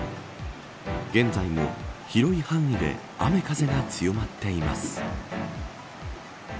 現在も広い範囲で雨風が強まっています。